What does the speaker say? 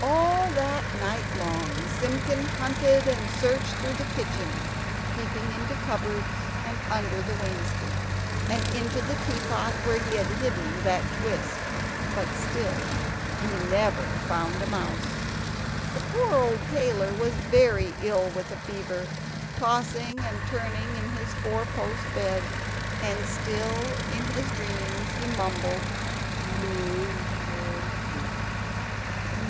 All that night long Simpkin hunted and searched through the kitchen, peeping into cupboards and under the wainscot, and into the tea pot where he had hidden that twist; but still he found never a mouse! The poor old tailor was very ill with a fever, tossing and turning in his four post bed; and still in his dreams he mumbled: "No more twist!